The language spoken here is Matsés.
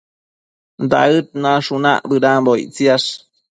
Daëd nashunac bëdanbo ictsiash